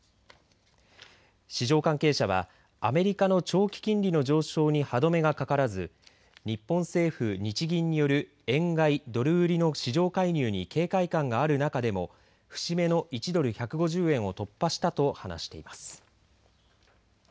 市場関係者はアメリカの長期金利の上昇に歯止めがかからず日本政府・日銀による円買いドル売りの市場介入に警戒感がある中でも節目の１ドル１５０円を突破したと話しています。